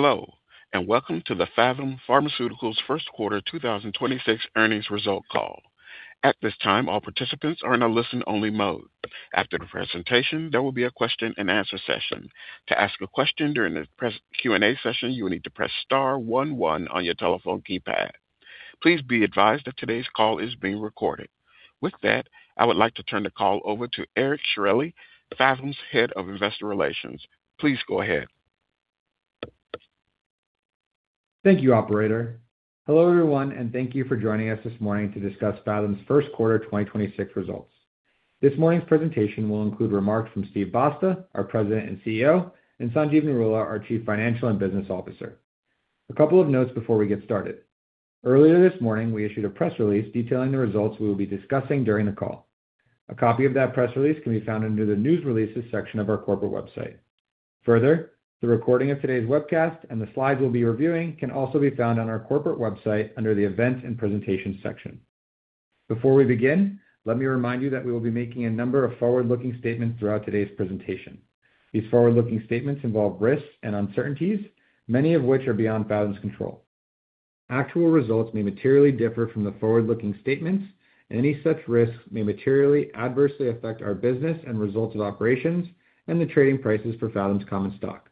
Hello, welcome to the Phathom Pharmaceuticals First Quarter 2026 Earnings Result call. At this time, all participants are in a listen only mode. After the presentation, there will be a question and answer session. To ask a question during the Q&A session, you will need to press star one one on your telephone keypad. Please be advised that today's call is being recorded. With that, I would like to turn the call over to Eric Sciorilli, Phathom's Head of Investor Relations. Please go ahead. Thank you, operator. Hello, everyone, and thank you for joining us this morning to discuss Phathom's first quarter 2026 results. This morning's presentation will include remarks from Steven Basta, our President and CEO, and Sanjeev Narula, our Chief Financial and Business Officer. A couple of notes before we get started. Earlier this morning, we issued a press release detailing the results we will be discussing during the call. A copy of that press release can be found under the News Releases section of our corporate website. Further, the recording of today's webcast and the slides we'll be reviewing can also be found on our corporate website under the Events and Presentation section. Before we begin, let me remind you that we will be making a number of forward-looking statements throughout today's presentation. These forward-looking statements involve risks and uncertainties, many of which are beyond Phathom's control. Actual results may materially differ from the forward-looking statements, and any such risks may materially adversely affect our business and results of operations and the trading prices for Phathom's common stock.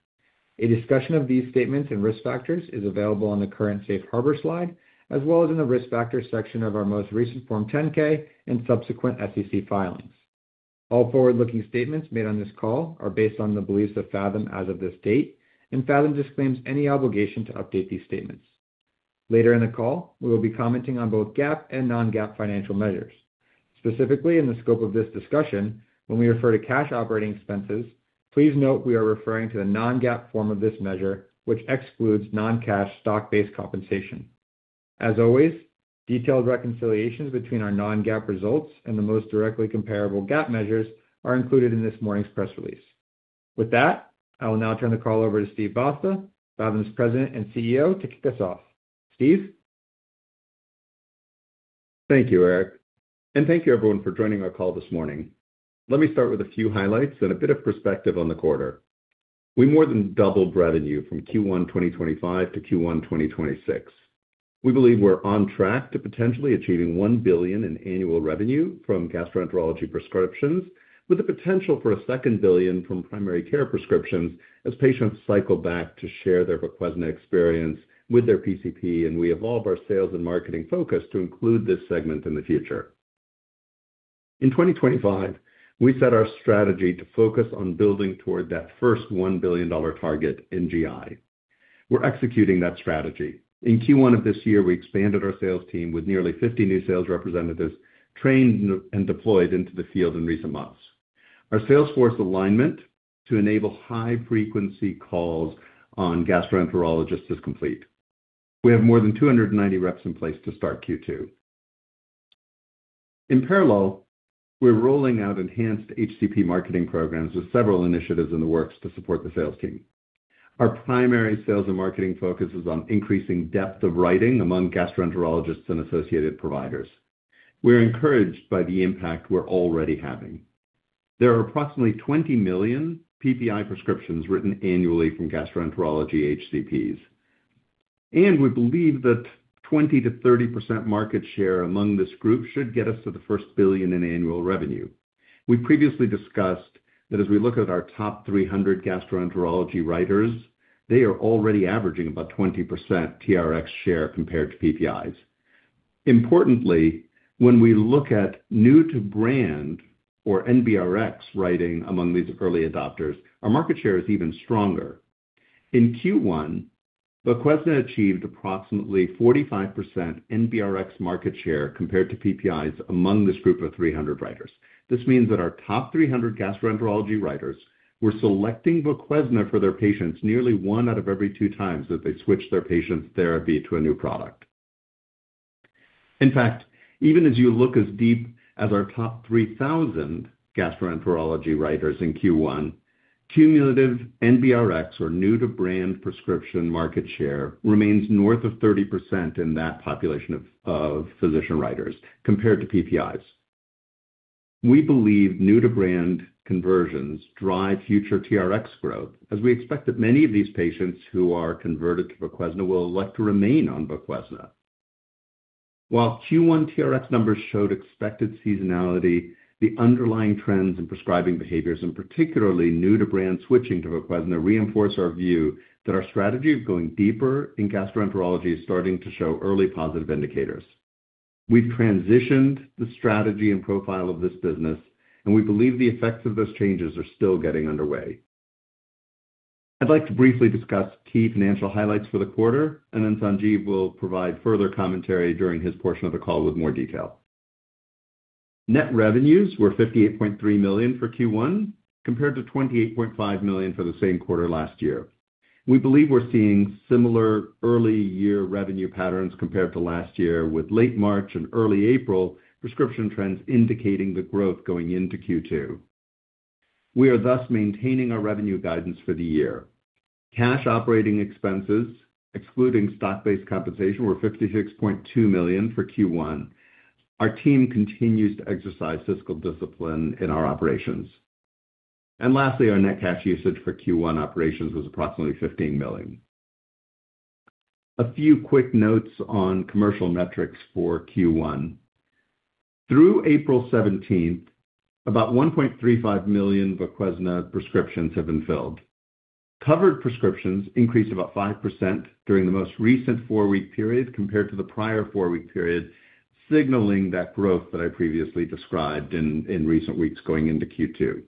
A discussion of these statements and risk factors is available on the current safe harbor slide, as well as in the Risk Factors section of our most recent Form 10-K and subsequent SEC filings. All forward-looking statements made on this call are based on the beliefs of Phathom as of this date, and Phathom disclaims any obligation to update these statements. Later in the call, we will be commenting on both GAAP and non-GAAP financial measures. Specifically, in the scope of this discussion, when we refer to cash Operating Expenses, please note we are referring to the non-GAAP form of this measure, which excludes Non-cash Stock-Based Compensation. As always, detailed reconciliations between our non-GAAP results and the most directly comparable GAAP measures are included in this morning's press release. With that, I will now turn the call over to Steven Basta, Phathom's President and CEO, to kick us off. Steve? Thank you, Eric, and thank you everyone for joining our call this morning. Let me start with a few highlights and a bit of perspective on the quarter. We more than doubled revenue from Q1 2025 to Q1 2026. We believe we're on track to potentially achieving $1 billion in annual revenue from gastroenterology prescriptions, with the potential for a $2 billion from primary care prescriptions as patients cycle back to share their VOQUEZNA experience with their PCP, and we evolve our sales and marketing focus to include this segment in the future. In 2025, we set our strategy to focus on building toward that first $1 billion target in GI. We're executing that strategy. In Q1 of this year, we expanded our sales team with nearly 50 new sales representatives trained and deployed into the field in recent months. Our sales force alignment to enable high-frequency calls on gastroenterologists is complete. We have more than 290 reps in place to start Q2. In parallel, we're rolling out enhanced HCP marketing programs with several initiatives in the works to support the sales team. Our primary sales and marketing focus is on increasing depth of writing among gastroenterologists and associated providers. We're encouraged by the impact we're already having. There are approximately 20 million PPI prescriptions written annually from gastroenterology HCPs, and we believe that 20% to 30% market share among this group should get us to the first $1 billion in annual revenue. We previously discussed that as we look at our top 300 gastroenterology writers, they are already averaging about 20% TRX share compared to PPIs. Importantly, when we look at new to brand or NBRX writing among these early adopters, our market share is even stronger. In Q1, VOQUEZNA achieved approximately 45% NBRx market share compared to PPIs among this group of 300 writers. This means that our top 300 gastroenterology writers were selecting VOQUEZNA for their patients nearly one out of every two times that they switched their patient's therapy to a new product. In fact, even as you look as deep as our top 3,000 gastroenterology writers in Q1, cumulative NBRx or New-to-brand prescription market share remains north of 30% in that population of physician writers compared to PPIs. We believe new to brand conversions drive future TRx growth as we expect that many of these patients who are converted to VOQUEZNA will elect to remain on VOQUEZNA. While Q1 TRx numbers showed expected seasonality, the underlying trends in prescribing behaviors and particularly new to brand switching to VOQUEZNA reinforce our view that our strategy of going deeper in gastroenterology is starting to show early positive indicators. We've transitioned the strategy and profile of this business, and we believe the effects of those changes are still getting underway. I'd like to briefly discuss key financial highlights for the quarter, and then Sanjeev will provide further commentary during his portion of the call with more detail. Net revenues were $58.3 million for Q1 compared to $28.5 million for the same quarter last year. We believe we're seeing similar early year revenue patterns compared to last year, with late March and early April prescription trends indicating the growth going into Q2. We are thus maintaining our revenue guidance for the year. Cash Operating expenses, excluding Stock-Based Compensation, were $56.2 million for Q1. Our team continues to exercise fiscal discipline in our operations. Lastly, our net cash usage for Q1 operations was approximately $15 million. A few quick notes on commercial metrics for Q1. Through April 17th, about 1.35 million VOQUEZNA prescriptions have been filled. Covered prescriptions increased about 5% during the most recent four-week period compared to the prior four-week period, signaling that growth that I previously described in recent weeks going into Q2.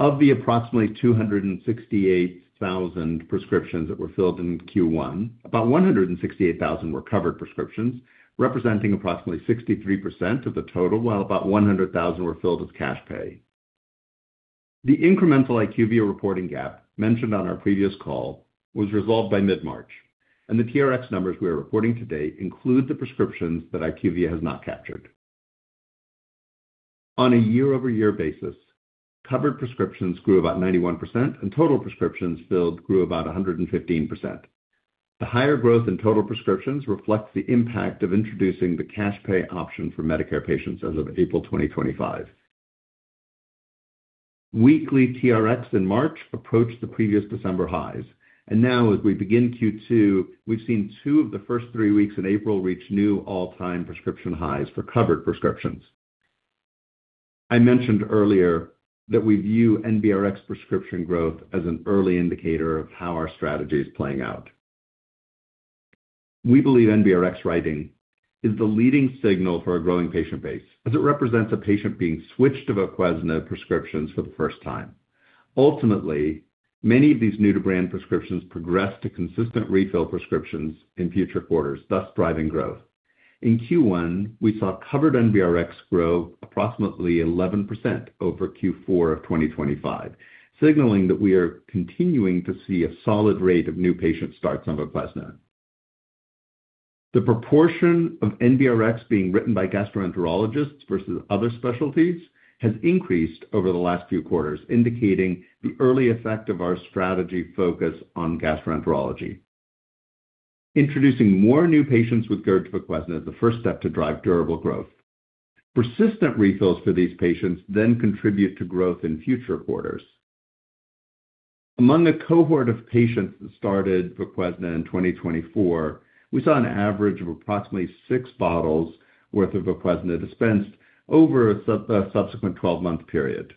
Of the approximately 268,000 prescriptions that were filled in Q1, about 168,000 were covered prescriptions, representing approximately 63% of the total, while about 100,000 were filled with cash pay. The incremental IQVIA reporting gap mentioned on our previous call was resolved by mid-March, and the TRx numbers we are reporting today include the prescriptions that IQVIA has not captured. On a year-over-year basis, covered prescriptions grew about 91%, and total prescriptions filled grew about 115%. The higher growth in total prescriptions reflects the impact of introducing the cash pay option for Medicare patients as of April 2025. Weekly TRxs in March approached the previous December highs. Now, as we begin Q2, we've seen two of the first three weeks in April reach new all-time prescription highs for covered prescriptions. I mentioned earlier that we view NBRx prescription growth as an early indicator of how our strategy is playing out. We believe NBRx writing is the leading signal for a growing patient base, as it represents a patient being switched to VOQUEZNA prescriptions for the first time. Many of these new-to-brand prescriptions progress to consistent refill prescriptions in future quarters, thus driving growth. In Q1, we saw covered NBRx grow approximately 11% over Q4 of 2025, signaling that we are continuing to see a solid rate of new patient starts on VOQUEZNA. The proportion of NBRx being written by gastroenterologists versus other specialties has increased over the last few quarters, indicating the early effect of our strategy focus on gastroenterology. Introducing more new patients with GERD VOQUEZNA is the first step to drive durable growth. Persistent refills for these patients contribute to growth in future quarters. Among a cohort of patients that started VOQUEZNA in 2024, we saw an average of approximately six bottles worth of VOQUEZNA dispensed over a subsequent 12-month period.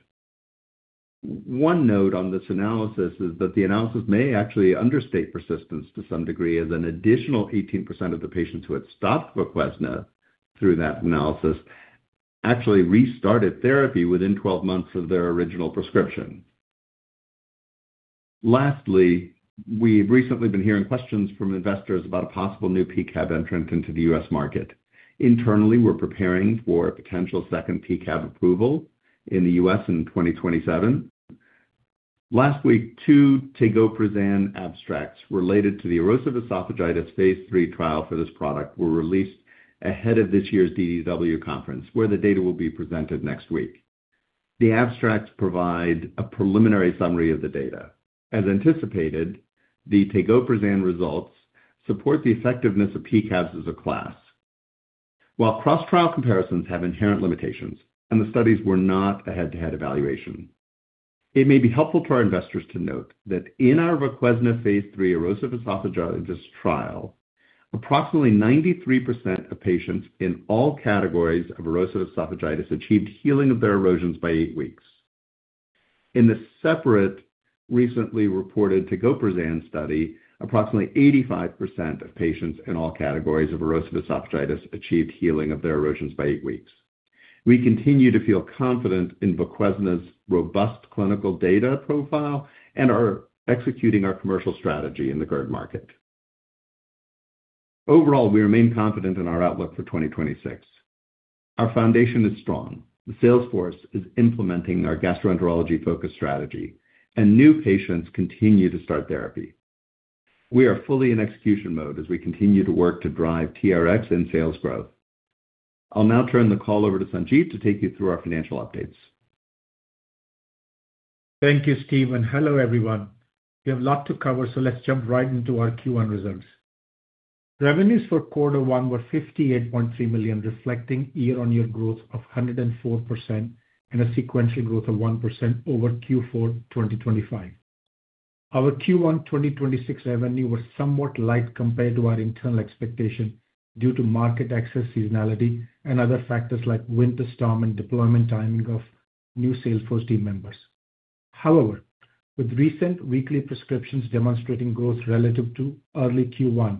One note on this analysis is that the analysis may actually understate persistence to some degree, as an additional 18% of the patients who had stopped VOQUEZNA through that analysis. Actually restarted therapy within 12- months of their original prescription. Lastly, we've recently been hearing questions from investors about a possible new P-CABs entrant into the U.S. market. Internally, we're preparing for a potential second P-CABs approval in the U.S. in 2027. Last week, two Tegoprazan abstracts related to the Erosive Esophagitis phase III trial for this product were released ahead of this year's DDW conference, where the data will be presented next week. The abstracts provide a preliminary summary of the data. As anticipated, the Tegoprazan results support the effectiveness of P-CABs as a class. While cross-trial comparisons have inherent limitations, and the studies were not a head-to-head evaluation, it may be helpful to our investors to note that in our VOQUEZNA phase III Erosive Esophagitis trial, approximately 93% of patients in all categories of Erosive Esophagitis achieved healing of their erosions by eight weeks. In the separate recently reported Tegoprazan study, approximately 85% of patients in all categories of Erosive Esophagitis achieved healing of their erosions by eight weeks. We continue to feel confident in VOQUEZNA's robust clinical data profile and are executing our commercial strategy in the GERD market. Overall, we remain confident in our outlook for 2026. Our foundation is strong. The sales force is implementing our Gastroenterology-Focused Strategy, and new patients continue to start therapy. We are fully in execution mode as we continue to work to drive TRx and sales growth. I'll now turn the call over to Sanjeev to take you through our financial updates. Thank you, Steve, and hello, everyone. We have a lot to cover, so let's jump right into our Q1 results. Revenues for quarter one were $58.3 million, reflecting year-on-year growth of 104% and a sequential growth of 1% over Q4 2025. Our Q1 2026 revenue was somewhat light compared to our internal expectation due to market access seasonality and other factors like winter storm and deployment timing of new sales force team members. However, with recent weekly prescriptions demonstrating growth relative to early Q1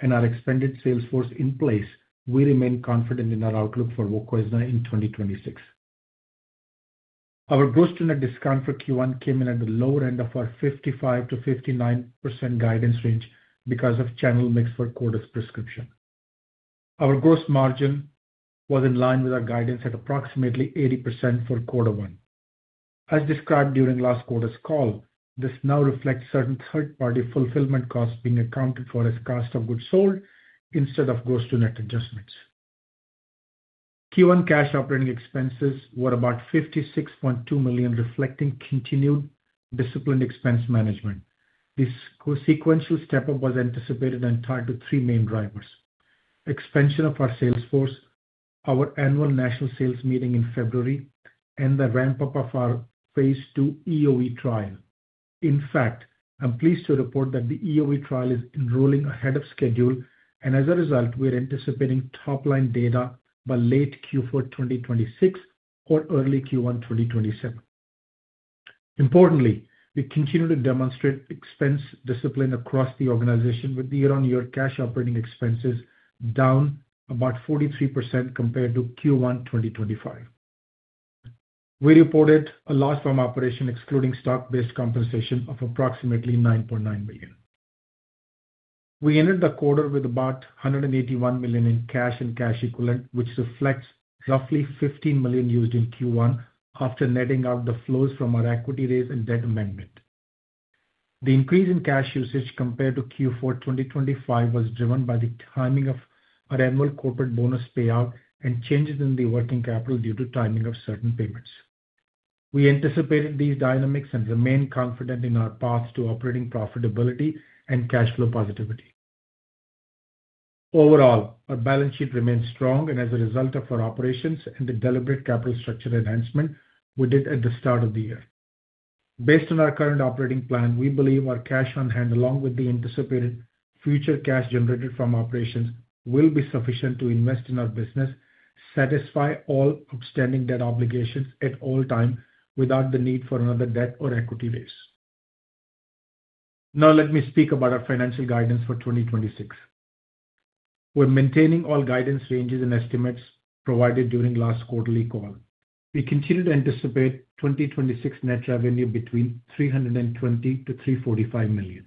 and our expanded sales force in place, we remain confident in our outlook for VOQUEZNA in 2026. Our gross till net discount for Q1 came in at the lower end of our 55%-59% guidance range because of channel mix for quarter's prescription. Our gross margin was in line with our guidance at approximately 80% for Q1. As described during last quarter's call, this now reflects certain third-party fulfillment costs being accounted for as cost of goods sold instead of Gross to Net adjustments. Q1 cash operating expenses were about $56.2 million, reflecting continued disciplined expense management. This co-sequential step-up was anticipated and tied to three main drivers. Expansion of our sales force, our annual national sales meeting in February, and the ramp-up of our phase II EoE trial. In fact, I'm pleased to report that the EoE trial is enrolling ahead of schedule, and as a result, we are anticipating top-line data by late Q4 2026 or early Q1 2027. Importantly, we continue to demonstrate expense discipline across the organization with year-on-year cash Operating Expenses down about 43% compared to Q1 2025. We reported a loss from operations excluding Stock-Based Compensation of approximately $9.9 million. We ended the quarter with about $181 million in cash and cash equivalents, which reflects roughly $15 million used in Q1 after netting out the flows from our equity raise and debt amendment. The increase in cash usage compared to Q4 2025 was driven by the timing of our annual corporate bonus payout and changes in the working capital due to timing of certain payments. We anticipated these dynamics and remain confident in our path to operating profitability and cash flow positivity. Overall, our balance sheet remains strong and as a result of our operations and the deliberate capital structure enhancement we did at the start of the year. Based on our current operating plan, we believe our cash on hand, along with the anticipated future cash generated from operations, will be sufficient to invest in our business, satisfy all outstanding debt obligations at all times without the need for another debt or equity raise. Let me speak about our financial guidance for 2026. We're maintaining all guidance ranges and estimates provided during last quarterly call. We continue to anticipate 2026 net revenue between $320 million to $345 million.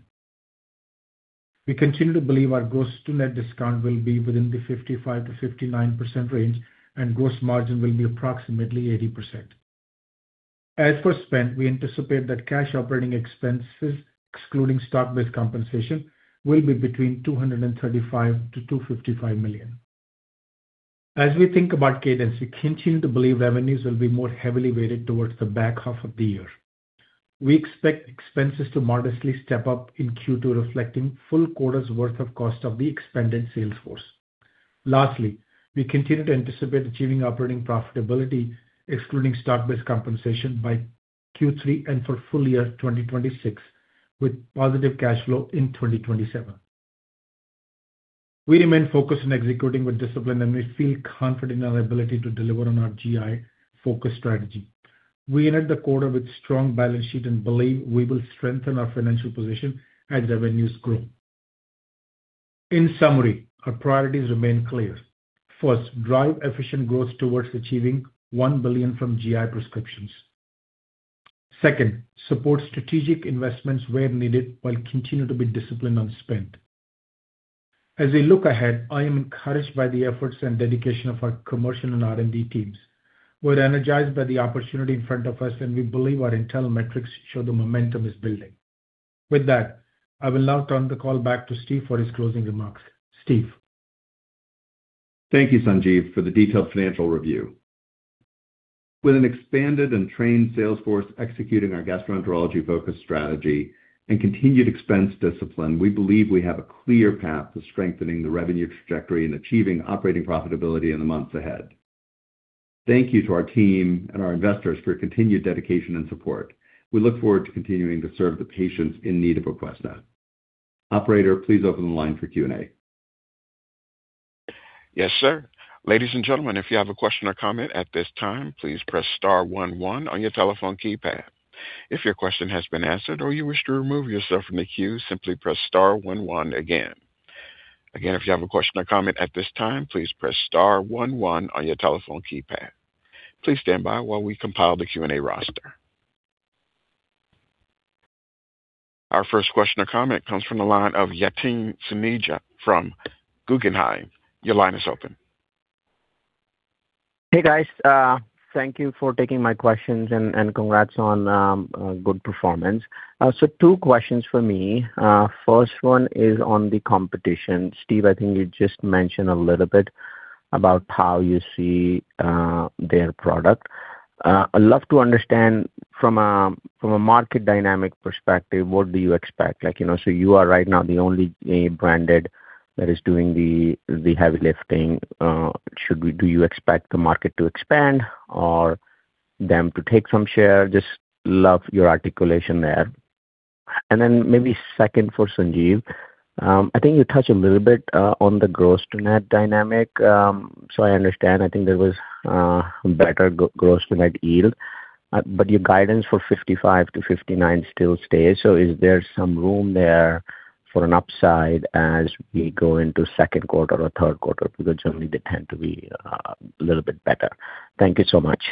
We continue to believe our Gross to Net discount will be within the 55%-59% range and gross margin will be approximately 80%. As for spend, we anticipate that Cash Operating Expenses, excluding Stock-Based Compensation, will be between $235 million and $255 million. As we think about cadence, we continue to believe revenues will be more heavily weighted towards the back half of the year. We expect expenses to modestly step up in Q2, reflecting full quarter's worth of cost of the expanded Salesforce. Lastly, we continue to anticipate achieving operating profitability, excluding Stock-Based Compensation, by Q3 and for full year 2026, with positive cash flow in 2027. We remain focused on executing with discipline, and we feel confident in our ability to deliver on our GI Focus Strategy. We ended the quarter with strong balance sheet and believe we will strengthen our financial position as revenues grow. In summary, our priorities remain clear. First, drive efficient growth towards achieving $1 billion from GI prescriptions. Second, support strategic investments where needed, while continuing to be disciplined on spend. As we look ahead, I am encouraged by the efforts and dedication of our commercial and R&D teams. We're energized by the opportunity in front of us, and we believe our internal metrics show the momentum is building. With that, I will now turn the call back to Steve for his closing remarks. Steve. Thank you, Sanjeev, for the detailed financial review. With an expanded and trained Salesforce executing our Gastroenterology-Focused Strategy and continued expense discipline, we believe we have a clear path to strengthening the revenue trajectory and achieving operating profitability in the months ahead. Thank you to our team and our investors for your continued dedication and support. We look forward to continuing to serve the patients in need of VOQUEZNA. Operator, please open the line for Q&A. Yes, sir. Ladies and gentlemen, if you have a question or comment at this time, please press star one one on your telephone keypad. If your question has been answered or you wish to remove yourself from the queue, simply press star one one again. Again, if you have a question or comment at this time, please press star one one on your telephone keypad. Please stand by while we compile the Q&A roster. Our first question or comment comes from the line of Yatin Suneja from Guggenheim. Your line is open. Hey, guys. Thank you for taking my questions and congrats on good performance. Two questions for me. First one is on the competition. Steven, I think you just mentioned a little bit about how you see their product. I'd love to understand from a, from a market dynamic perspective, what do you expect? You are right now the only branded that is doing the heavy lifting. Do you expect the market to expand or them to take some share? Just love your articulation there. Then maybe second for Sanjeev Narula. I think you touched a little bit on the Gross to Net dynamic. I understand, I think there was better Gross to Net yield. Your guidance for 55%-59% still stays. Is there some room there for an upside as we go into second quarter or third quarter? Generally they tend to be a little bit better. Thank you so much.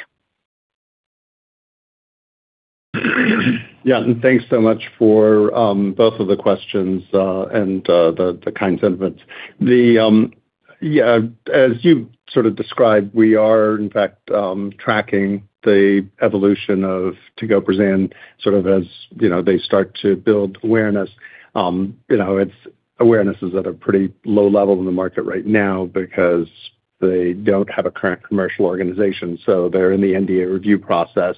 Yeah, thanks so much for both of the questions and the kind sentiments. As you described, we are in fact tracking the evolution of Tegoprazan, as you know, they start to build awareness. Awareness is at a pretty low level in the market right now because they don't have a current commercial organization, they're in the NDA review process.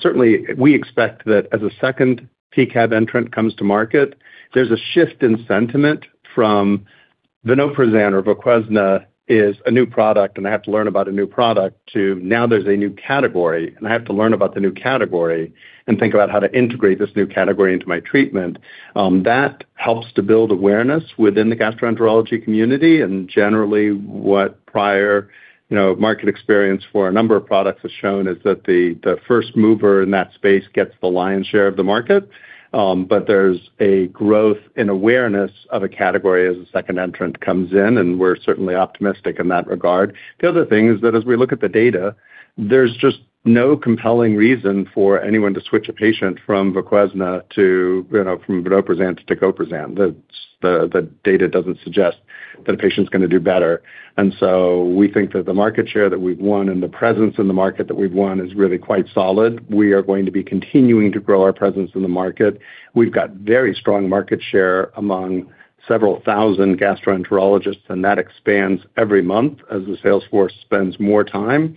Certainly we expect that as a second P-CABs entrant comes to market, there's a shift in sentiment from vonoprazan or VOQUEZNA is a new product and I have to learn about a new product to now there's a new category, and I have to learn about the new category and think about how to integrate this new category into my treatment. That helps to build awareness within the gastroenterology community and generally what prior, you know, market experience for a number of products has shown is that the first mover in that space gets the lion's share of the market but there's a growth in awareness of a category as a second entrant comes in, and we're certainly optimistic in that regard. The other thing is that as we look at the data, there's just no compelling reason for anyone to switch a patient from VOQUEZNA to, you know, from vonoprazan to Tegoprazan. That's the data doesn't suggest that a patient's gonna do better. We think that the market share that we've won and the presence in the market that we've won is really quite solid. We are going to be continuing to grow our presence in the market. We've got very strong market share among several thousand gastroenterologists, and that expands every month as the Salesforce spends more time.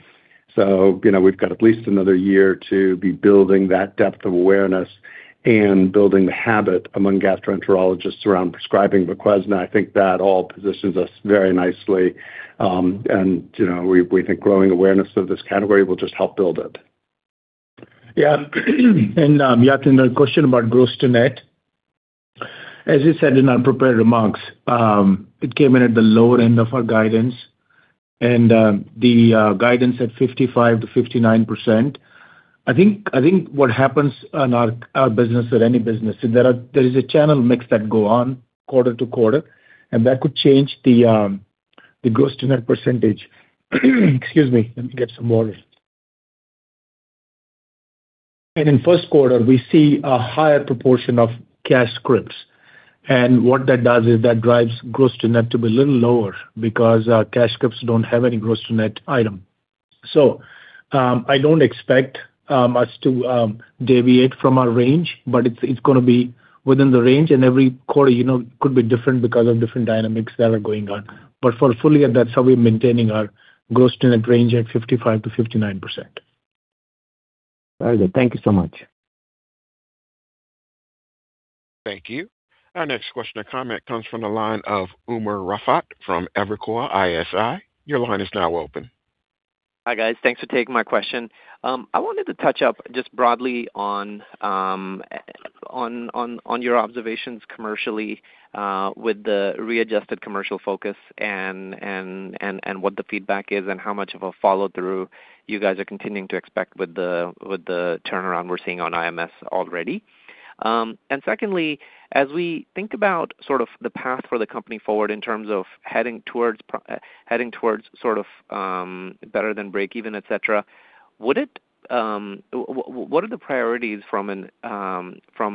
You know, we've got at least another year to be building that depth of awareness and building the habit among gastroenterologists around prescribing VOQUEZNA. I think that all positions us very nicely, you know, we think growing awareness of this category will just help build it. Yeah. Yeah, to the question about Gross to Net. As you said in our prepared remarks, it came in at the lower end of our guidance and the guidance at 55%-59%. I think what happens on our business or any business is there is a channel mix that go on quarter to quarter and that could change the Gross to Net percentage. Excuse me, let me get some water. In first quarter, we see a higher proportion of cash scripts, and what that does is that drives gross to net to be a little lower because cash scripts don't have any Gross to Net item. I don't expect us to deviate from our range, but it's going to be within the range and every quarter, you know, could be different because of different dynamics that are going on. For full year, that's how we're maintaining our Gross to Net range at 55%-59%. Very good. Thank you so much. Thank you. Our next question or comment comes from the line of Umer Raffat from Evercore ISI. Your line is now open. Hi, guys. Thanks for taking my question. I wanted to touch up just broadly on your observations commercially with the readjusted commercial focus and what the feedback is and how much of a follow-through you guys are continuing to expect with the turnaround we're seeing on IMS already. Secondly, as we think about the path for the company forward in terms of heading towards better than breakeven, et cetera, what are the priorities from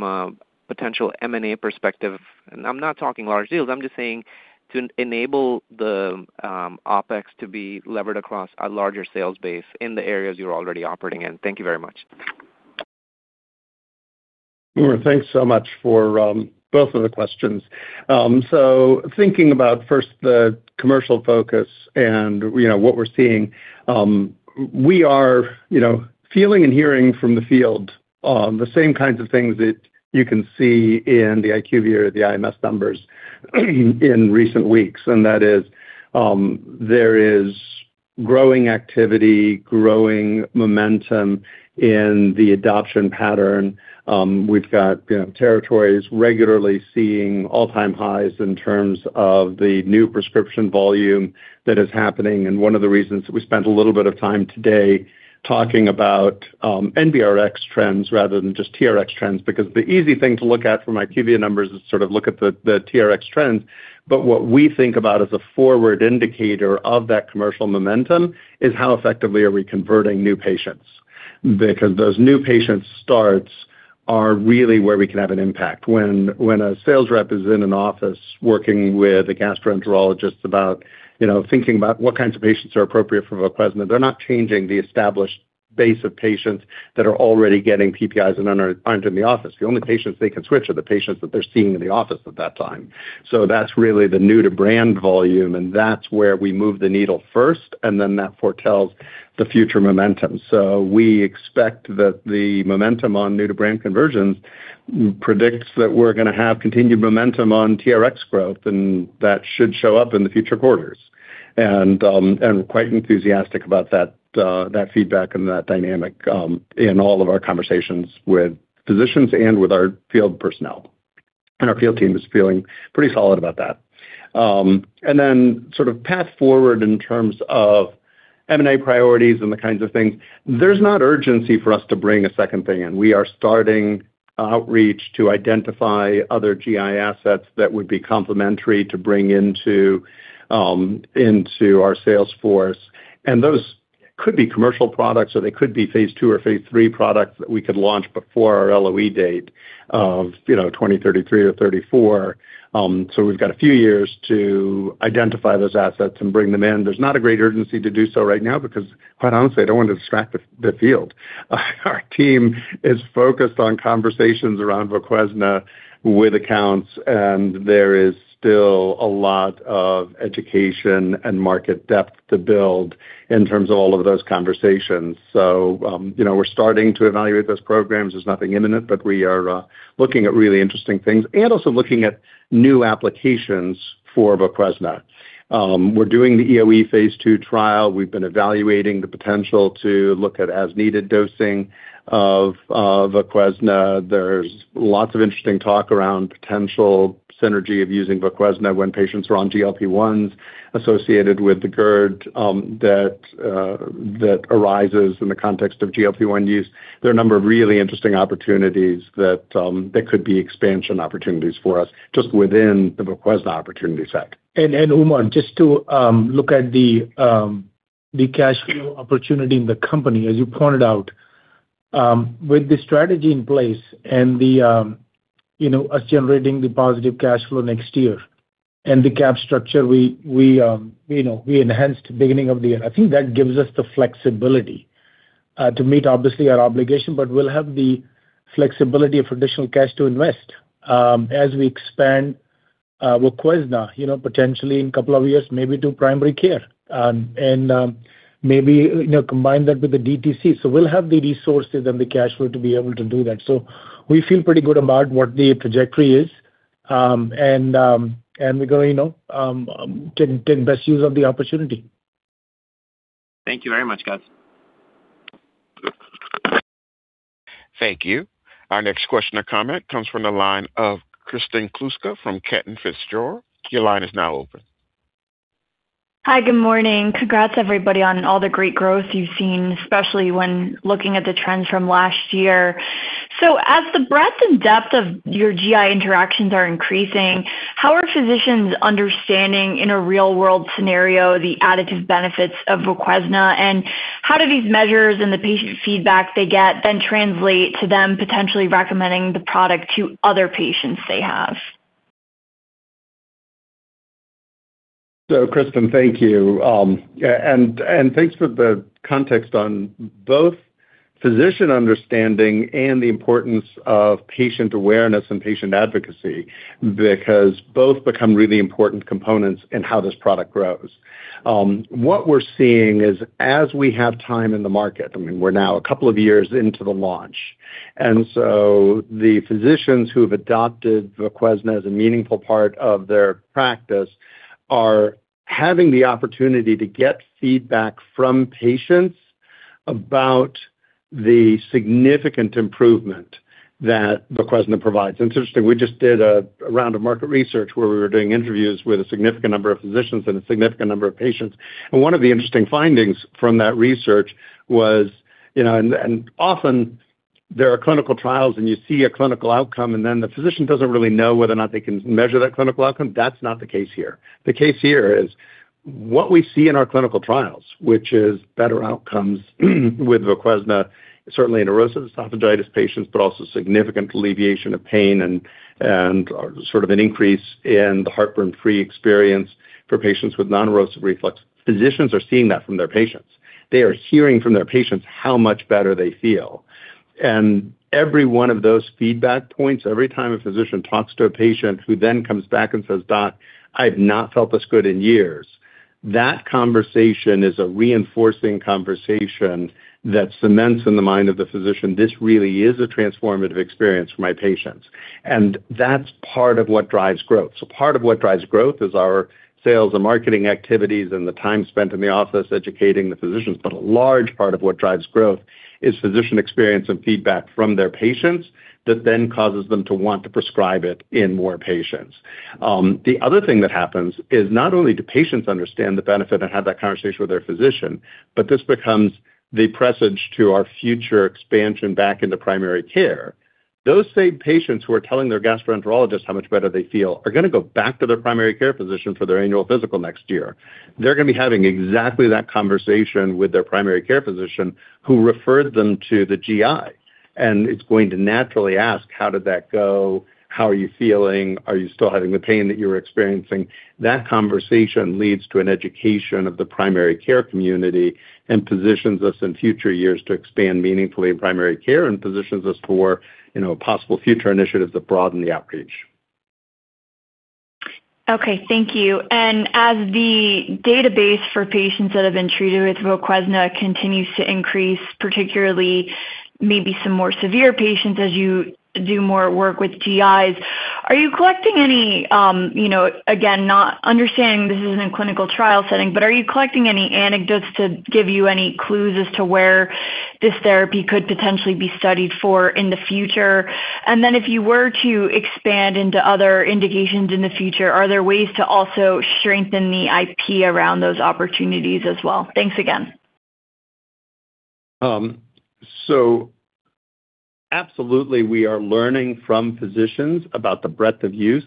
a potential M&A perspective? I'm not talking large deals. I'm just saying to enable the OpEx to be levered across a larger sales base in the areas you're already operating in. Thank you very much. Umer, thanks so much for both of the questions. Thinking about first the commercial focus and, you know, what we're seeing, we are, you know, feeling and hearing from the field, the same kinds of things that you can see in the IQVIA or the IMS numbers in recent weeks. There is growing activity, growing momentum in the adoption pattern. We've got, you know, territories regularly seeing all-time highs in terms of the new prescription volume that is happening. One of the reasons that we spent a little bit of time today talking about NBRx trends rather than just TRx trends, because the easy thing to look at from IQVIA numbers is sort of look at the TRx trends. What we think about as a forward indicator of that commercial momentum is how effectively are we converting new patients. Those new patient starts are really where we can have an impact. When a sales rep is in an office working with a gastroenterologist about, you know, thinking about what kinds of patients are appropriate for VOQUEZNA, they're not changing the established base of patients that are already getting PPIs and aren't in the office. The only patients they can switch are the patients that they're seeing in the office at that time. That's really the new to brand volume, and that's where we move the needle first, and then that foretells the future momentum. We expect that the momentum on new to brand conversions predicts that we're gonna have continued momentum on TRx growth, and that should show up in the future quarters. And quite enthusiastic about that feedback and that dynamic in all of our conversations with physicians and with our field personnel. Our field team is feeling pretty solid about that. Then path forward in terms of M&A priorities and the kinds of things. There's not urgency for us to bring a second thing in. We are starting outreach to identify other GI assets that would be complementary to bring into our Salesforce. Those could be commercial products or they could be phase II or phase III products that we could launch before our LOE date of, you know, 2033 or 2034. We've got a few years to identify those assets and bring them in. There's not a great urgency to do so right now because, quite honestly, I don't want to distract the field. Team is focused on conversations around VOQUEZNA with accounts, and there is still a lot of education and market depth to build in terms of all of those conversations. You know, we're starting to evaluate those programs. There's nothing imminent, but we are looking at really interesting things and also looking at new applications for VOQUEZNA. We're doing the EoE phase II trial. We've been evaluating the potential to look at as-needed dosing of VOQUEZNA. There's lots of interesting talk around potential synergy of using VOQUEZNA when patients are on GLP-1s associated with the GERD that arises in the context of GLP-1 use. There are a number of really interesting opportunities that could be expansion opportunities for us just within the VOQUEZNA opportunity set. Umer, just to look at the cash flow opportunity in the company, as you pointed out, with the strategy in place and the, you know, us generating the positive cash flow next year and the cap structure we, you know, we enhanced beginning of the year. I think that gives us the flexibility to meet obviously our obligation, but we'll have the flexibility of additional cash to invest as we expand VOQUEZNA, you know, potentially in a couple of years, maybe do primary care, and maybe combine that with the DTC. We'll have the resources and the cash flow to be able to do that. We feel pretty good about what the trajectory is, and we're gonna take best use of the opportunity. Thank you very much, guys. Thank you. Our next question or comment comes from the line of Kristen Kluska from Cantor Fitzgerald. Your line is now open. Hi, good morning. Congrats everybody on all the great growth you've seen, especially when looking at the trends from last year. As the breadth and depth of your GI interactions are increasing, how are physicians understanding in a real-world scenario the additive benefits of VOQUEZNA? How do these measures and the patient feedback they get then translate to them potentially recommending the product to other patients they have? Kristen, thank you. Thanks for the context on both physician understanding and the importance of patient awareness and patient advocacy, because both become really important components in how this product grows. What we're seeing is as we have time in the market, I mean, we're now two years into the launch. The physicians who have adopted VOQUEZNA as a meaningful part of their practice are having the opportunity to get feedback from patients about the significant improvement that VOQUEZNA provides. Interestingly, we just did a round of market research where we were doing interviews with a significant number of physicians and a significant number of patients. One of the interesting findings from that research was, you know, often there are clinical trials, and you see a clinical outcome, and then the physician doesn't really know whether or not they can measure that clinical outcome. That's not the case here. The case here is what we see in our clinical trials, which is better outcomes with VOQUEZNA, certainly in Erosive Esophagitis patients, but also significant alleviation of pain and an increase in the heartburn-free experience for patients with Non-Erosive Reflux. Physicians are seeing that from their patients. They are hearing from their patients how much better they feel. Every one of those feedback points, every time a physician talks to a patient who then comes back and says, "Doc, I've not felt this good in years," that conversation is a reinforcing conversation that cements in the mind of the physician, this really is a transformative experience for my patients. That's part of what drives growth. Part of what drives growth is our sales and marketing activities and the time spent in the office educating the physicians. A large part of what drives growth is physician experience and feedback from their patients that then causes them to want to prescribe it in more patients. The other thing that happens is not only do patients understand the benefit and have that conversation with their physician, but this becomes the presage to our future expansion back into primary care. Those same patients who are telling their gastroenterologist how much better they feel are gonna go back to their primary care physician for their annual physical next year. They're gonna be having exactly that conversation with their primary care physician who referred them to the GI. It's going to naturally ask, "How did that go? How are you feeling? Are you still having the pain that you were experiencing?" That conversation leads to an education of the primary care community and positions us in future years to expand meaningfully in primary care and positions us for possible future initiatives that broaden the outreach. Okay. Thank you. As the database for patients that have been treated with VOQUEZNA continues to increase, particularly maybe some more severe patients as you do more work with GIs, are you collecting any, you know, again, not understanding this isn't a clinical trial setting, but are you collecting any anecdotes to give you any clues as to where this therapy could potentially be studied for in the future? If you were to expand into other indications in the future, are there ways to also strengthen the IP around those opportunities as well? Thanks again. Absolutely we are learning from physicians about the breadth of use.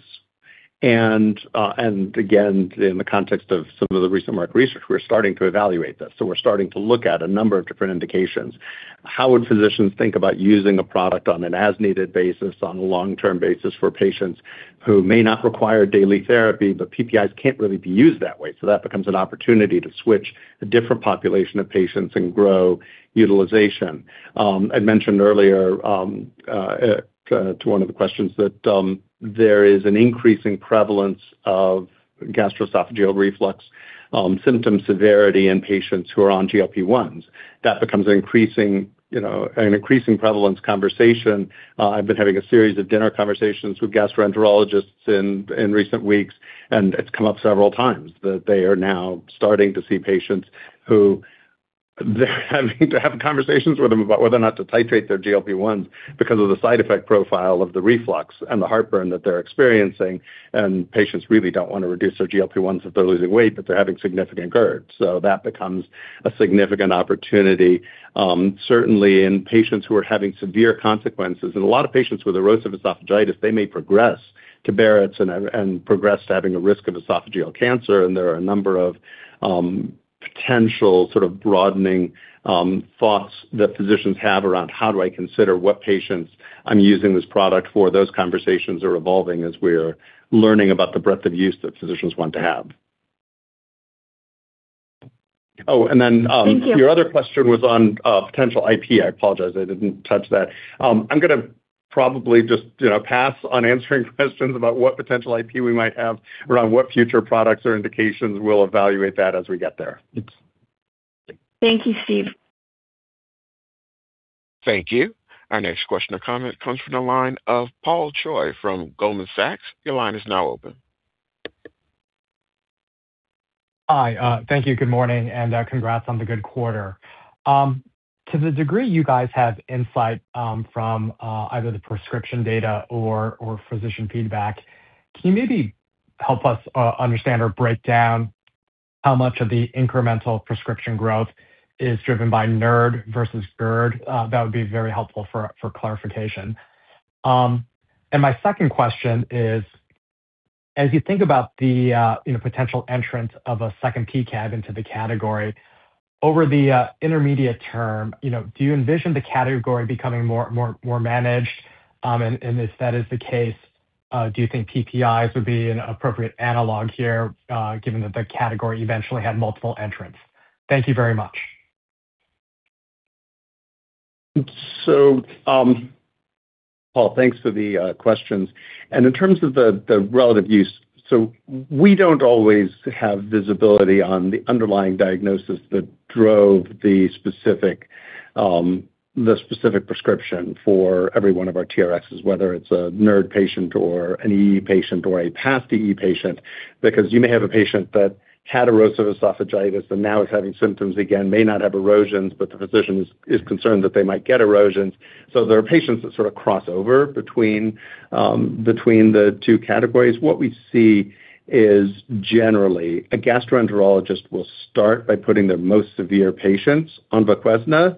again, in the context of some of the recent market research, we're starting to evaluate this. We're starting to look at a number of different indications. How would physicians think about using a product on an as-needed basis, on a long-term basis for patients? Who may not require daily therapy, but PPIs can't really be used that way. That becomes an opportunity to switch a different population of patients and grow utilization. I mentioned earlier, to one of the questions that, there is an increasing prevalence of gastroesophageal reflux, symptom severity in patients who are on GLP-1s. That becomes an increasing, you know, prevalence conversation. I've been having a series of dinner conversations with gastroenterologists in recent weeks, and it's come up several times that they are now starting to see patients who they're having to have conversations with them about whether or not to titrate their GLP-1 because of the side effect profile of the reflux and the heartburn that they're experiencing. Patients really don't wanna reduce their GLP-1s if they're losing weight, but they're having significant GERD. That becomes a significant opportunity, certainly in patients who are having severe consequences. A lot of patients with Erosive Esophagitis they may progress to Barrett's and progress to having a risk of esophageal cancer. There are a number of potential broadening thoughts that physicians have around how do I consider what patients I'm using this product for? Those conversations are evolving as we're learning about the breadth of use that physicians want to have. Thank you. Your other question was on potential IP. I apologize I didn't touch that. I'm gonna probably just, you know, pass on answering questions about what potential IP we might have around what future products or indications. We'll evaluate that as we get there. Thank you, Steve. Thank you. Our next question or comment comes from the line of Paul Choi from Goldman Sachs. Your line is now open. Hi. Thank you. Good morning. Congrats on the good quarter. To the degree you guys have insight, from either the prescription data or physician feedback, can you maybe help us understand or break down how much of the incremental prescription growth is driven by NERD versus GERD? That would be very helpful for clarification. My second question is, as you think about the, you know, potential entrance of a second P-CAB into the category over the intermediate term, you know, do you envision the category becoming more managed? If that is the case, do you think PPIs would be an appropriate analog here, given that the category eventually had multiple entrants? Thank you very much. Paul, thanks for the questions. In terms of the relative use, we don't always have visibility on the underlying diagnosis that drove the specific prescription for every one of our TRx, whether it's a NERD patient or an EE patient or a past EE patient because you may have a patient that had erosive esophagitis and now is having symptoms again, may not have erosions, but the physician is concerned that they might get erosions. There are patients that sort of cross over between the two categories. What we see is generally a gastroenterologist will start by putting their most severe patients on VOQUEZNA,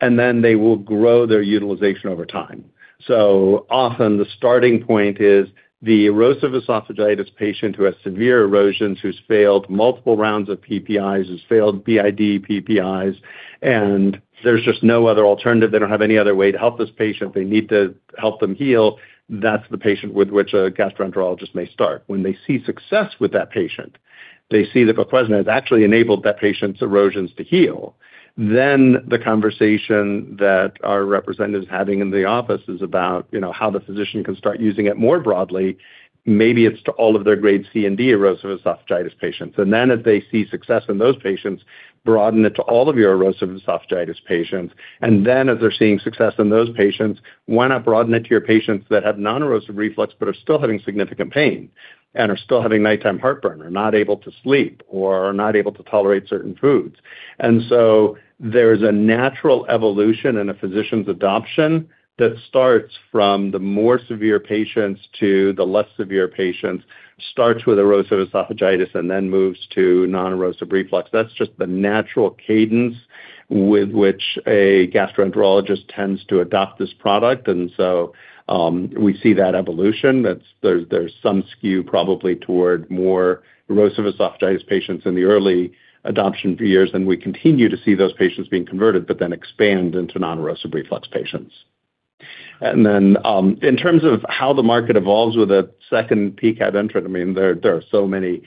and then they will grow their utilization over time. Often the starting point is the Erosive Esophagitis patient who has severe erosions, who's failed multiple rounds of PPIs, has failed BID PPIs. There's just no other alternative. They don't have any other way to help this patient. They need to help them heal. That's the patient with which a gastroenterologist may start. When they see success with that patient, they see that VOQUEZNA has actually enabled that patient's erosions to heal. Then the conversation that our representative is having in the office is about, you know, how the physician can start using it more broadly. Maybe it's to all of their Grade C and D Eerosive Esophagitis patients. If they see success in those patients, broaden it to all of your Erosive Esophagitis patients. As they're seeing success in those patients, why not broaden it to your patients that have Non-Erosive Reflux but are still having significant pain and are still having nighttime heartburn or not able to sleep or are not able to tolerate certain foods? There's a natural evolution in a physician's adoption that starts from the more severe patients to the less severe patients, starts with Erosive Esophagitis and then moves to Non-Erosive Reflux. That's just the natural cadence with which a gastroenterologist tends to adopt this product. We see that evolution. That's there's some skew probably toward more Erosive Esophagitis patients in the early adoption years, and we continue to see those patients being converted but then expand into Non-Erosive Reflux patients. In terms of how the market evolves with a second P-CAB entrant, I mean, there are so many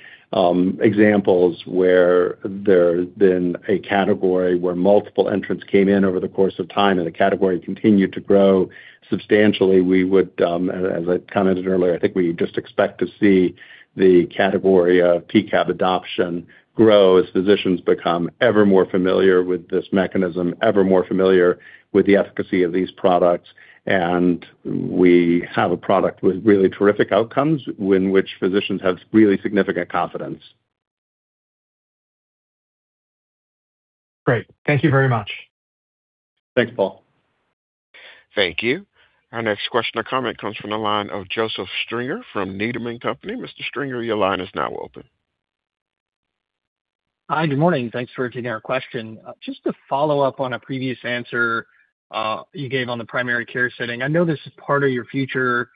examples where there's been a category where multiple entrants came in over the course of time and the category continued to grow substantially. We would, as I commented earlier, I think we just expect to see the category of P-CAB adoption grow as physicians become ever more familiar with this mechanism, ever more familiar with the efficacy of these products. We have a product with really terrific outcomes in which physicians have really significant confidence. Great. Thank you very much. Thanks, Paul. Thank you. Our next question or comment comes from the line of Joseph Stringer from Needham & Company. Mr. Stringer, your line is now open. Hi. Good morning. Thanks for taking our question. Just to follow up on a previous answer you gave on the primary care setting. I know this is part of your future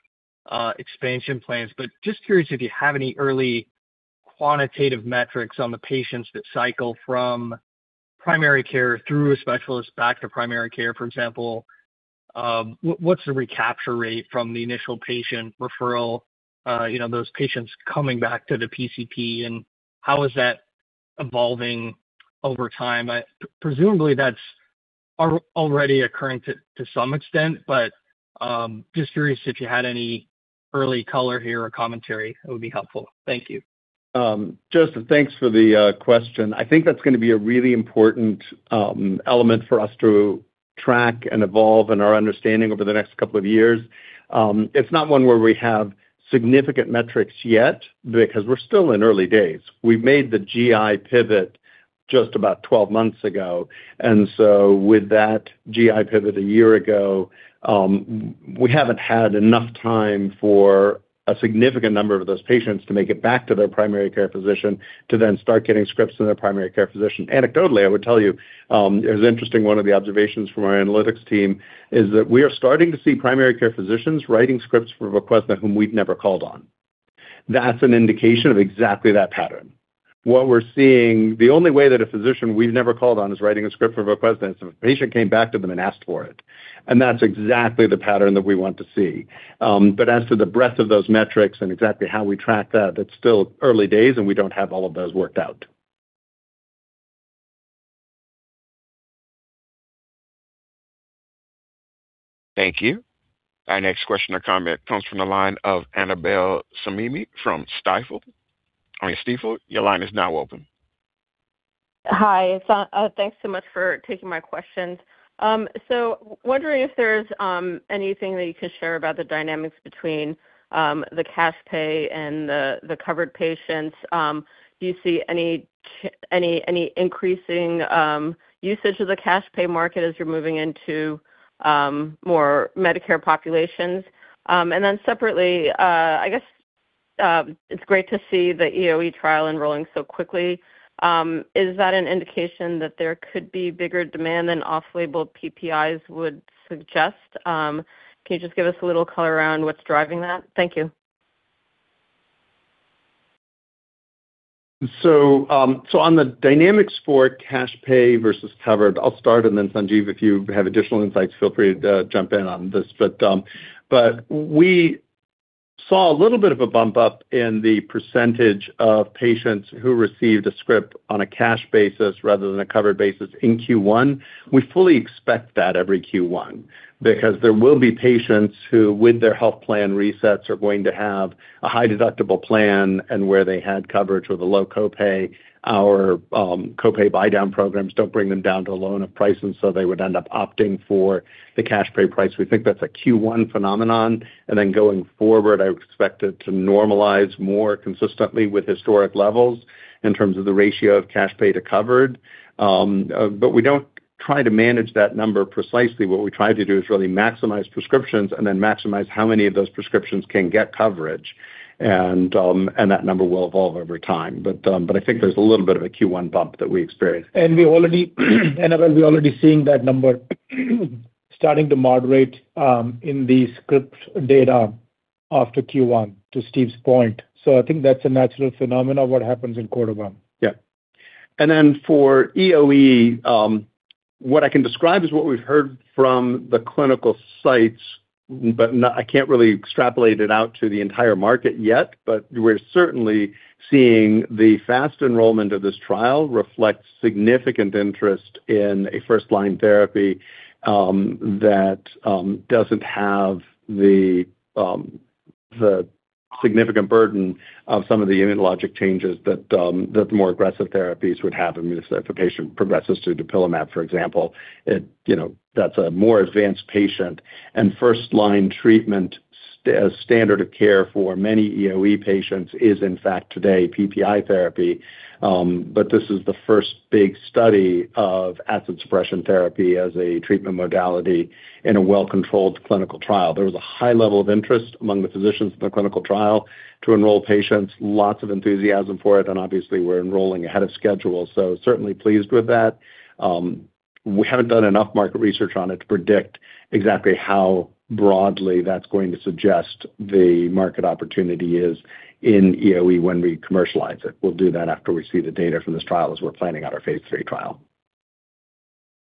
expansion plans, but just curious if you have any early quantitative metrics on the patients that cycle from Primary Care through a specialist back to Primary Care, for example, what's the recapture rate from the Initial Patient referral, you know, those patients coming back to the PCP and how is that evolving over time? Presumably that's already occurring to some extent, but just curious if you had any early color here or commentary that would be helpful. Thank you. Justin, thanks for the question. I think that's gonna be a really important element for us to track and evolve in our understanding over the next couple of years. It's not one where we have significant metrics yet because we're still in early days. We made the GI pivot just about 12 months ago. With that GI pivot a year ago, we haven't had enough time for a significant number of those patients to make it back to their primary care physician to then start getting scripts from their primary care physician. Anecdotally, I would tell you, it was interesting, one of the observations from our analytics team is that we are starting to see primary care physicians writing scripts for VOQUEZNA whom we've never called on. That's an indication of exactly that pattern. The only way that a physician we've never called on is writing a script for VOQUEZNA is if a patient came back to them and asked for it, and that's exactly the pattern that we want to see. As to the breadth of those metrics and exactly how we track that's still early days, and we don't have all of those worked out. Thank you. Our next question or comment comes from the line of Annabel Samimy from Stifel. I mean, Stifel, your line is now open. Hi, thanks so much for taking my questions. Wondering if there's anything that you could share about the dynamics between the cash pay and the covered patients. Do you see any increasing usage of the cash pay market as you're moving into more Medicare populations? Separately, I guess, it's great to see the EoE trial enrolling so quickly. Is that an indication that there could be bigger demand than off-label PPIs would suggest? Can you just give us a little color around what's driving that? Thank you. On the dynamics for cash pay versus covered, I'll start and then Sanjeev, if you have additional insights, feel free to jump in on this. We saw a little bit of a bump up in the percentage of patients who received a script on a cash basis rather than a covered basis in Q1. We fully expect that every Q1 because there will be patients who, with their health plan resets, are going to have a high deductible plan and where they had coverage with a low copay. Our copay buy-down programs don't bring them down to a loan of price, and so they would end up opting for the cash pay price. We think that's a Q1 phenomenon. Going forward, I would expect it to normalize more consistently with historic levels in terms of the ratio of cash pay to covered. We don't try to manage that number precisely. What we try to do is really maximize prescriptions and then maximize how many of those prescriptions can get coverage and that number will evolve over time. I think there's a little bit of a Q1 bump that we experienced. We already, Annabel, we're already seeing that number starting to moderate in the script data after Q1 to Steve's point. I think that's a natural phenomenon of what happens in quarter one. Yeah. For EoE, what I can describe is what we've heard from the clinical sites, but I can't really extrapolate it out to the entire market yet. We're certainly seeing the fast enrollment of this trial reflect significant interest in a first-line therapy that doesn't have the significant burden of some of the immunologic changes that the more aggressive therapies would have. I mean, if a patient progresses to dupilumab, for example, it, you know, that's a more advanced patient. First-line treatment as standard of care for many EoE patients is in fact today PPI therapy. This is the first big study of acid suppression therapy as a treatment modality in a well-controlled clinical trial. There was a high level of interest among the physicians in the clinical trial to enroll patients, lots of enthusiasm for it, and obviously we're enrolling ahead of schedule, so certainly pleased with that. We haven't done enough market research on it to predict exactly how broadly that's going to suggest the market opportunity is in EoE when we commercialize it. We'll do that after we see the data from this trial as we're planning out our phase III trial.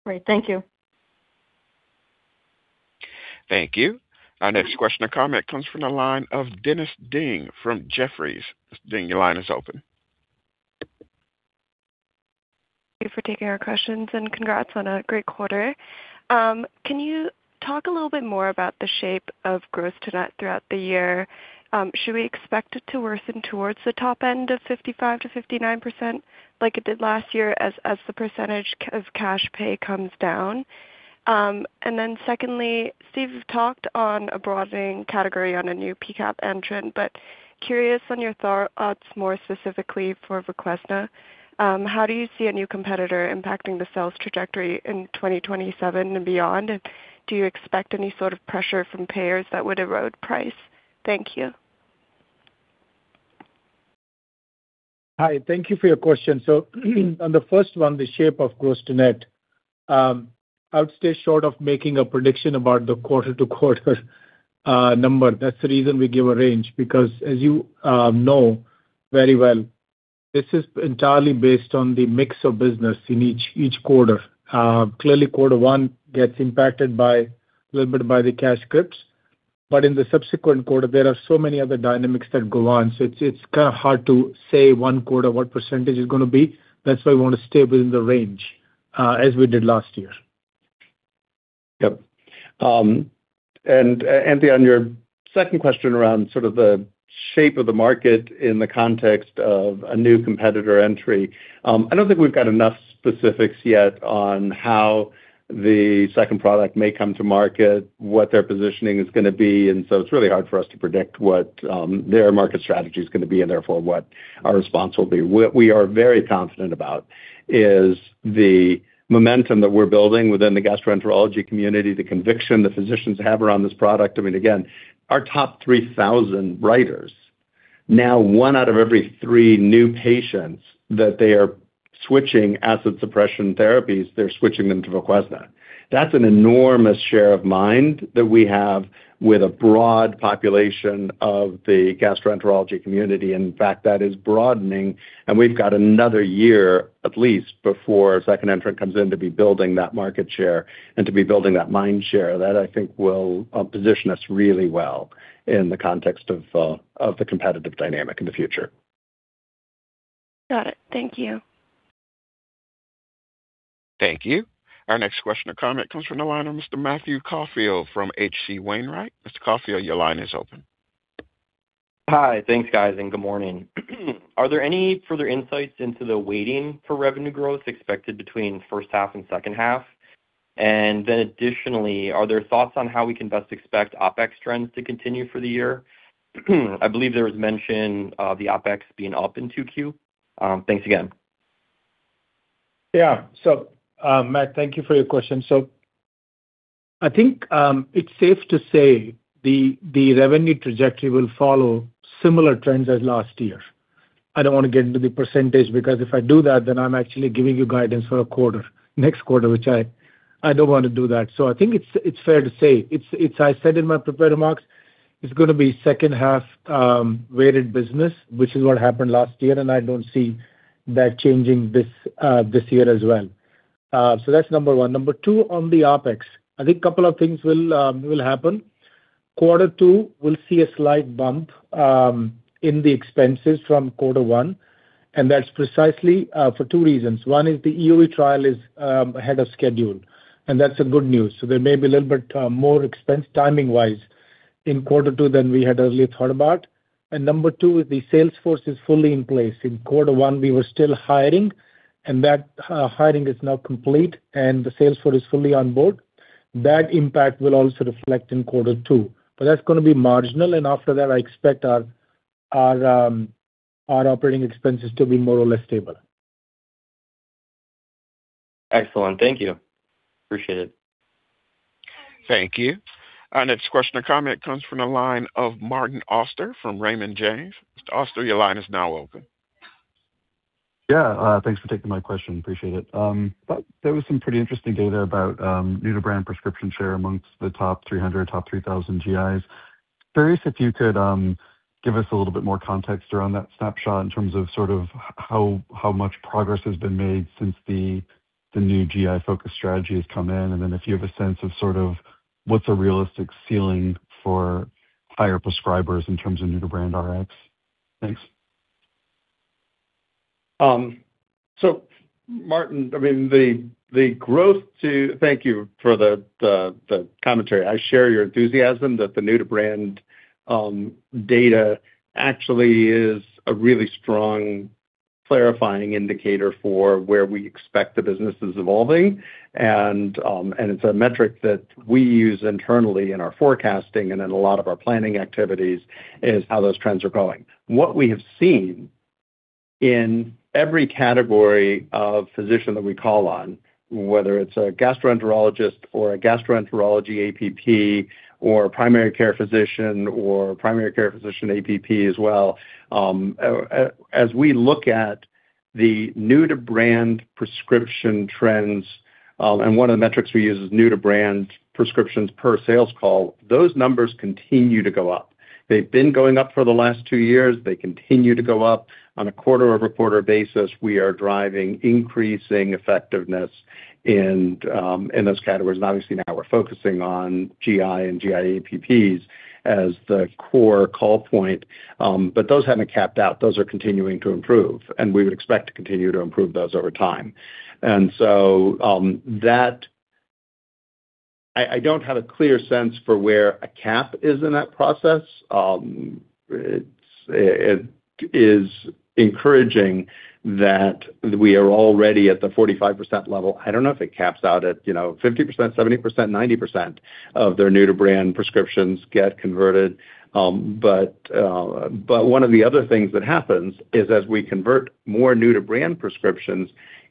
Great. Thank you. Thank you. Our next question or comment comes from the line of Dennis Ding from Jefferies. Mr. Ding, your line is open. Thank you for taking our questions and congrats on a great quarter. Can you talk a little bit more about the shape of growth to net throughout the year? Should we expect it to worsen towards the top end of 55%-59% like it did last year as the percentage of cash pay comes down? Secondly, Steve Basta talked on a broadening category on a new P-CAB entrant, but curious on your thoughts more specifically for VOQUEZNA. How do you see a new competitor impacting the sales trajectory in 2027 and beyond? Do you expect any pressure from payers that would erode price? Thank you. Hi, thank you for your question. On the first one, the shape of Gross to Net, I would stay short of making a prediction about the quarter-to-quarter number. That's the reason we give a range because as you know very well, this is entirely based on the mix of business in each quarter. Clearly quarter one gets impacted by a little bit by the cash scripts. In the subsequent quarter, there are so many other dynamics that go on. It's, it's kinda hard to say one quarter what percentage is gonna be. That's why we wanna stay within the range as we did last year. Yep. Dennis Ding, on your second question around the shape of the market in the context of a new competitor entry, I don't think we've got enough specifics yet on how the second product may come to market, what their positioning is gonna be, it's really hard for us to predict what their market strategy is gonna be and therefore what our response will be. What we are very confident about is the momentum that we're building within the gastroenterology community, the conviction the physicians have around this product. I mean, again, our top 3,000 writers, now one out of every three new patients that they are switching acid suppression therapies, they're switching them to VOQUEZNA. That's an enormous share of mind that we have with a broad population of the gastroenterology community. In fact, that is broadening, and we've got another year at least before a second entrant comes in to be building that market share and to be building that mind share. That I think will position us really well in the context of the competitive dynamic in the future. Got it. Thank you. Thank you. Our next question or comment comes from the line of Mr. Matthew Caufield from H.C. Wainwright & Co. Mr. Caufield, your line is open. Hi. Thanks, guys, and good morning. Are there any further insights into the waiting for revenue growth expected between first half and second half? Additionally, are there thoughts on how we can best expect OpEx trends to continue for the year? I believe there was mention of the OpEx being up in 2Q. Thanks again. Matt, thank you for your question. I think it's safe to say the revenue trajectory will follow similar trends as last year. I don't wanna get into the percentage because if I do that, then I'm actually giving you guidance for a quarter, next quarter, which I don't wanna do that. I think it's fair to say. I said in my prepared remarks, it's gonna be second half weighted business, which is what happened last year, and I don't see that changing this year as well. That's number one. Number two, on the OpEx. I think couple of things will happen. Quarter two will see a slight bump in the expenses from quarter one, and that's precisely for two reasons. One is the EoE trial is ahead of schedule, and that's a good news. There may be a little bit more expense timing-wise in quarter two than we had earlier thought about. Number two, is the sales force is fully in place. In quarter one, we were still hiring, and that hiring is now complete, and the sales force is fully on board. That impact will also reflect in quarter two. That's gonna be marginal, and after that I expect our operating expenses to be more or less stable. Excellent. Thank you. Appreciate it. Thank you. Our next question or comment comes from the line of Martin Oster from Raymond James. Mr. Oster, your line is now open. Yeah, thanks for taking my question. Appreciate it. I thought there was some pretty interesting data about New-to-brand prescription share amongst the top 300, top 3,000 GIs. Curious if you could give us a little bit more context around that snapshot in terms of sort of how much progress has been made since the new GI-focused strategy has come in, and then if you have a sense of what's a realistic ceiling for higher prescribers in terms of new to brand Rx? Thanks. Martin, I mean, Thank you for the commentary. I share your enthusiasm that the new to brand data actually is a really strong clarifying indicator for where we expect the business is evolving. It's a metric that we use internally in our forecasting and in a lot of our planning activities, is how those trends are going. What we have seen in every category of physician that we call on, whether it's a gastroenterologist or a gastroenterology APP or a Primary Care Physician or Primary Care Physician APP as well, as we look at the New-to-brand prescription trends, and one of the metrics we use is New- to-brand prescriptions per sales call, those numbers continue to go up. They've been going up for the last two years. They continue to go up. On a quarter-over-quarter basis, we are driving increasing effectiveness in those categories. Obviously now we're focusing on GI and GI APP as the core call point. Those haven't capped out. Those are continuing to improve, we would expect to continue to improve those over time. That I don't have a clear sense for where a cap is in that process. It is encouraging that we are already at the 45% level. I don't know if it caps out at, you know, 50%, 70%, 90% of their new to brand prescriptions get converted. One of the other things that happens is as we convert more New-to-brand prescriptions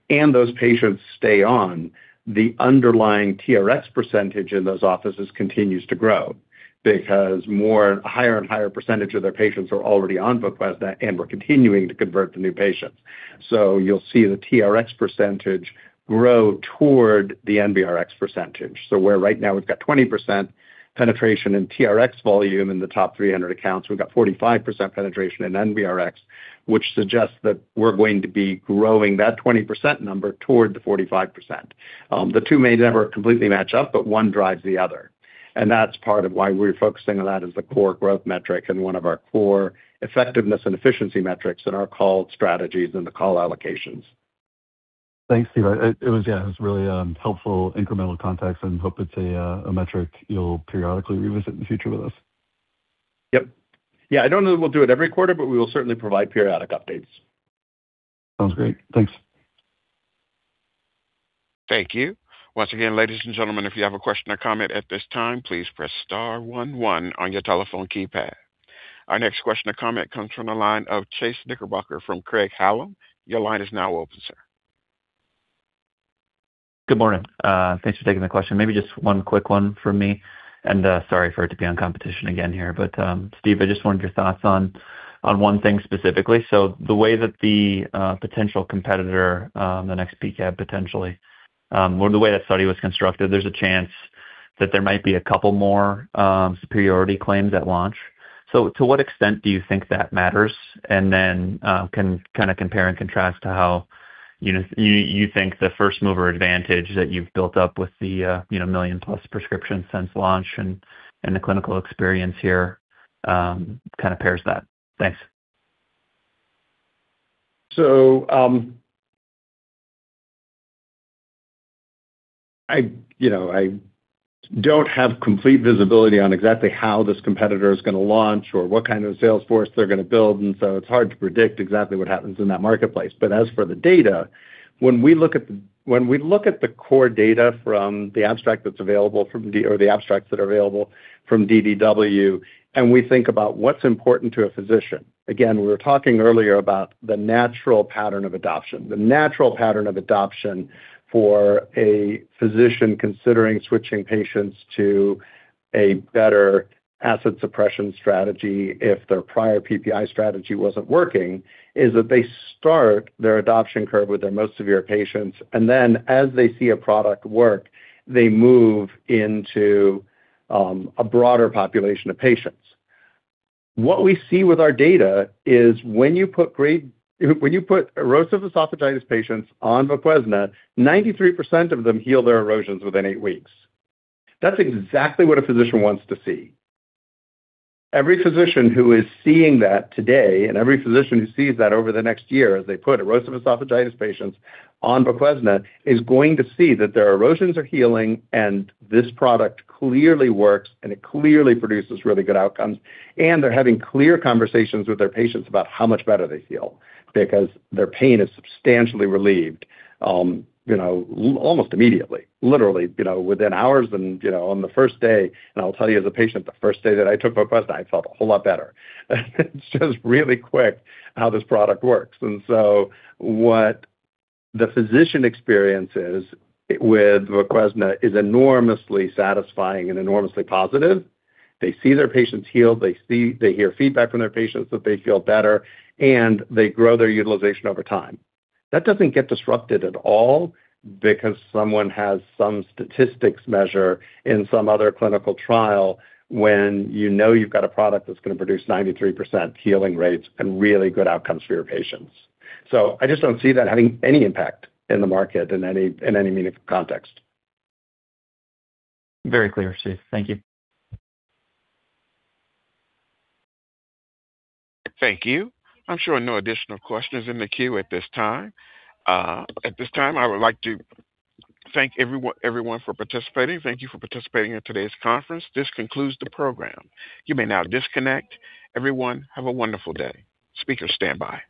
and those patients stay on, the underlying TRx percentage in those offices continues to grow because more higher and higher percentage of their patients are already on VOQUEZNA, and we're continuing to convert the new patients. You'll see the TRx percentage grow toward the NBRx percentage. Where right now we've got 20% penetration in TRx volume in the top 300 accounts, we've got 45% penetration in NBRx, which suggests that we're going to be growing that 20% number toward the 45%. The two may never completely match up, one drives the other. That's part of why we're focusing on that as the core growth metric and one of our core effectiveness and efficiency metrics in our call strategies and the call allocations. Thanks, Steve. Yeah, it was really helpful incremental context. Hope it's a metric you'll periodically revisit in the future with us. Yep. Yeah, I don't know that we'll do it every quarter, but we will certainly provide periodic updates. Sounds great. Thanks. Thank you. Once again, ladies and gentlemen, if you have a question or comment at this time, please press star one one on your telephone keypad. Our next question or comment comes from the line of Chase Knickerbocker from Craig-Hallum. Your line is now open, sir. Good morning. Thanks for taking the question. Maybe just one quick one from me, and sorry for it to be on competition again here, but, Steve, I just wondered your thoughts on one thing specifically. The way that the potential competitor, the next P-CAB potentially, or the way that study was constructed, there's a chance that there might be a couple more superiority claims at launch. So, to what extent do you think that matters? Can you kind of compare and contrast to how, you know, you think the first mover advantage that you've built up with the, you know, 1 million-plus prescriptions since launch and the clinical experience here kind of pairs that? Thanks. I, you know, I don't have complete visibility on exactly how this competitor is gonna launch or what kind of Salesforce they're gonna build, and so it's hard to predict exactly what happens in that marketplace. As for the data, when we look at the core data from the abstract that's available from DDW, and we think about what's important to a physician. Again, we were talking earlier about the natural pattern of adoption. The natural pattern of adoption for a physician considering switching patients to a better acid suppression strategy if their prior PPI strategy wasn't working, is that they start their adoption curve with their most severe patients, and then as they see a product work, they move into a broader population of patients. What we see with our data is when you put Erosive Esophagitis patients on VOQUEZNA, 93% of them heal their erosions within eight weeks. That's exactly what a physician wants to see. Every physician who is seeing that today and every physician who sees that over the next year as they put Erosive Esophagitis patients on VOQUEZNA, is going to see that their erosions are healing and this product clearly works, and it clearly produces really good outcomes. They're having clear conversations with their patients about how much better they feel because their pain is substantially relieved, you know, almost immediately, literally, you know, within hours and, you know, on the first day. I'll tell you, as a patient, the first day that I took VOQUEZNA, I felt a whole lot better. It's just really quick how this product works. What the physician experiences with VOQUEZNA is enormously satisfying and enormously positive. They see their patients heal, they see, they hear feedback from their patients that they feel better, and they grow their utilization over time. That doesn't get disrupted at all because someone has some statistics measure in some other clinical trial when you know you've got a product that's gonna produce 93% healing rates and really good outcomes for your patients. I just don't see that having any impact in the market in any meaningful context. Very clear, Steven. Thank you. Thank you. I'm showing no additional questions in the queue at this time. At this time, I would like to thank everyone for participating. Thank you for participating in today's conference. This concludes the program. You may now disconnect. Everyone, have a wonderful day. Speakers stand by.